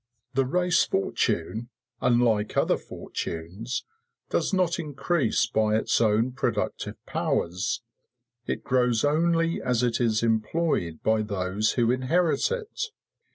The race fortune, unlike other fortunes, does not increase by its own productive powers; it grows only as it is employed by those who inherit it.